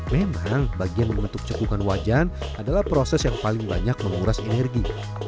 memang bagian membentuk cekungan wajan adalah proses yang paling banyak menguras energi